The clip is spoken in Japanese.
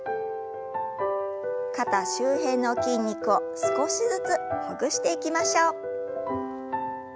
肩周辺の筋肉を少しずつほぐしていきましょう。